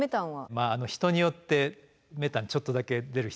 まあ人によってメタンちょっとだけ出る人もいるって。